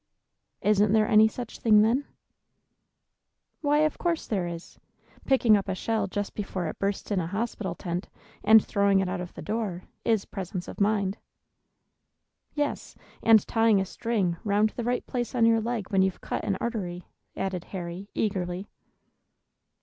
"Isn't there any such thing, then?" "Why, of course there is. Picking up a shell just before it bursts in a hospital tent, and throwing it out of the door, is presence of mind." "Yes, and tying a string round the right place on your leg when you've cut an artery," added Harry, eagerly.